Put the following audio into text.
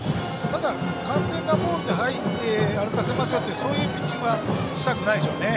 ただ、完全なボールではい、歩かせますよというそういうピッチングはしたくないでしょうね。